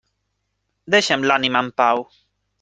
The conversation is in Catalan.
Deixa'm l'ànima en pau.